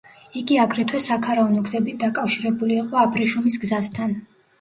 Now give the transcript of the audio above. იგი აგრეთვე საქარავნო გზებით დაკავშირებული იყო აბრეშუმის გზასთან.